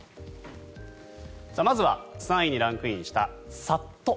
まずは３位にランクインしたさっと。